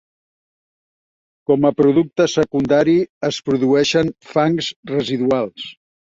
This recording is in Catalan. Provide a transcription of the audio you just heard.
Com a producte secundari, es produeixen fangs residuals.